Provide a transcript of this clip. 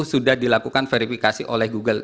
sudah dilakukan verifikasi oleh google